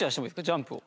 ジャンプを。